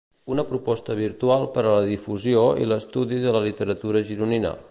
Una proposta virtual per a la difusió i l'estudi de la literatura gironina.